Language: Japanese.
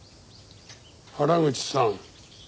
原口さん。